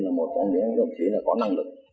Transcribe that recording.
là một trong những đồng chí có năng lực